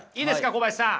小林さん！